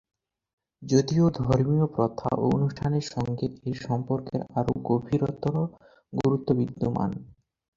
যদিও ধর্মীয় প্রথা ও অনুষ্ঠানের সঙ্গে এর সম্পর্কের আরও গভীরতর গুরুত্ব বিদ্যমান।